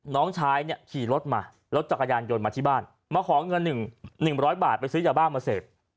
น้องชายเนี้ยขี่รถมารถจักรยานยนต์มาที่บ้านมาขอเงินหนึ่งหนึ่งร้อยบาทไปซื้อยาวบ้านมาเสพ